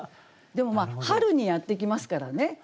でも春にやって来ますからね。